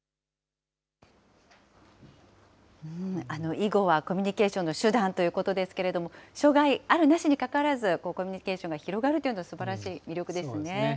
囲碁はコミュニケーションの手段ということですけれども、障害あるなしにかかわらず、コミュニケーションが広がるというのそうですね。